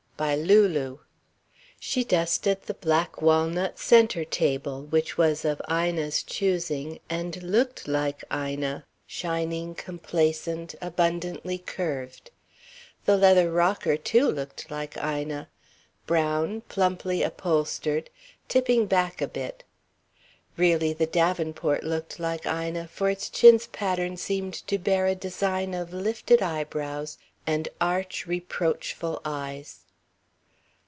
By Lulu. She dusted the black walnut centre table which was of Ina's choosing, and looked like Ina, shining, complacent, abundantly curved. The leather rocker, too, looked like Ina, brown, plumply upholstered, tipping back a bit. Really, the davenport looked like Ina, for its chintz pattern seemed to bear a design of lifted eyebrows and arch, reproachful eyes.